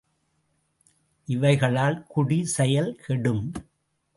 இவைகளால் குடி செயல் கெடும்!